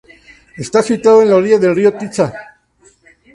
Está situada en la orilla del río Tisza.